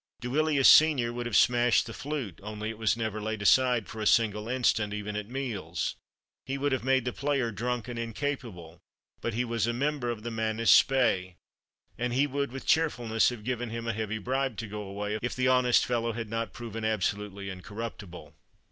Duilius senior would have smashed the flute, only it was never laid aside for a single instant, even at meals; he would have made the player drunk and incapable, but he was a member of the Manus Spei, and he would with cheerfulness have given him a heavy bribe to go away, if the honest fellow had not proved absolutely incorruptible.